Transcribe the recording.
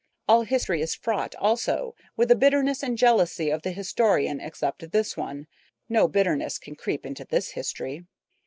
All history is fraught also with the bitterness and jealousy of the historian except this one. No bitterness can creep into this history.